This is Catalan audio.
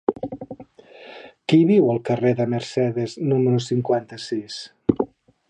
Qui viu al carrer de Mercedes número cinquanta-sis?